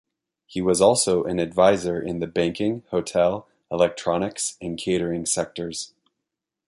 He was also an adviser in the banking, hotel, electronics, and catering sectors.